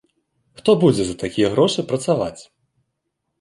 Хто будзе за такія грошы працаваць?